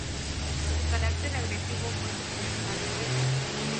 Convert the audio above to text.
Su carácter agresivo fue su principal defecto.